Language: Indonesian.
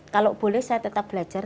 kalau boleh saya tetap belajar